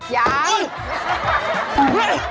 ยัง